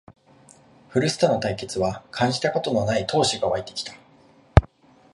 古巣との対決は感じたことのない闘志がわいてきた